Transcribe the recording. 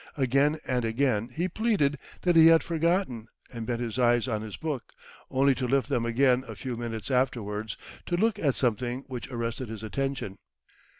Again and again he pleaded that he had forgotten, and bent his eyes on his book, only to lift them again a few minutes afterwards, to look at something which arrested his attention.